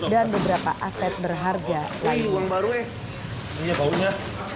dan beberapa aset berharga lainnya